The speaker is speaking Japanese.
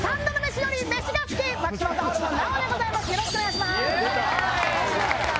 よろしくお願いします。